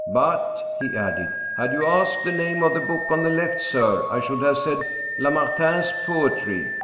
" But," he added, " had you asked the name of the book on the left, sir, I should have said Lamartine's Poetry.